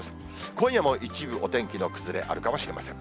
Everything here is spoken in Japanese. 今夜も一部、お天気の崩れあるかもしれません。